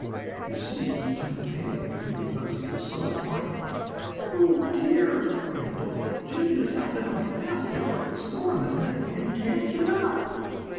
You see he turned pale green because he was so frightened. "Oh, dear!" cried Bully. "Jimmie is held fast down there by the stone on his neck, and can't get up."